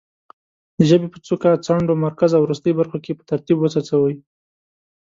د ژبې په څوکه، څنډو، مرکز او وروستۍ برخو کې په ترتیب وڅڅوي.